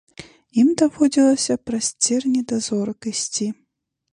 Ім даводзілася праз церні да зорак ісці.